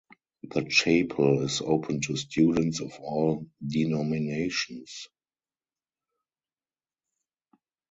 The chapel is open to students of all denominations.